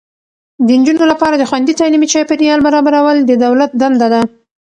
د نجونو لپاره د خوندي تعلیمي چاپیریال برابرول د دولت دنده ده.